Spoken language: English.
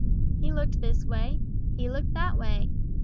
He looked this way; he looked that way.